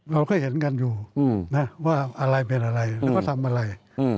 เราก็เห็นกันอยู่นะว่าอะไรเป็นอะไรแล้วก็ทำอะไร